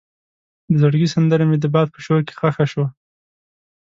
د زړګي سندره مې د باد په شور کې ښخ شوه.